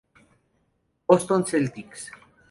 Boston Celtics